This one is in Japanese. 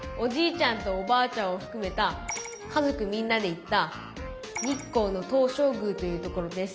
ちゃんとおばあちゃんをふくめた家族みんなで行った日光の東照宮という所です。